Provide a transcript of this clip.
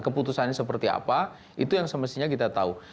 keputusannya seperti apa itu yang semestinya kita tahu